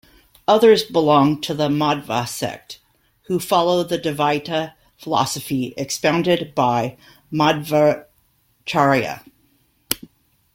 Others belong to the Madhva sect, who follow the Dvaita philosophy expounded by Madhvacharya.